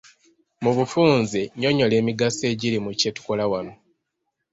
Mu bufunze nyonnyola emigaso egiri mu kye tukola wano.